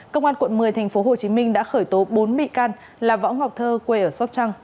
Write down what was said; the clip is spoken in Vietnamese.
công an quận một mươi tp hcm đã khởi tố bốn bị can là võ ngọc thơ quê ở sóc trăng